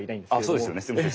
そうですよねすいません。